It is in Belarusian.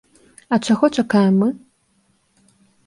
А чаго чакаем мы?